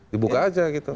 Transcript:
dibuka saja gitu